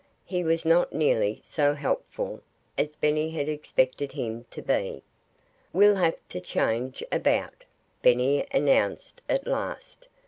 He was not nearly so helpful as Benny had expected him to be. "We'll have to change about," Benny announced at last.